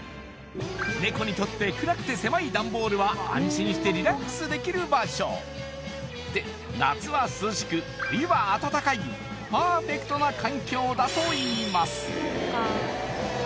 ネコにとって暗くて狭いダンボールは安心してリラックスできる場所で夏は涼しく冬は暖かいパーフェクトな環境だといいます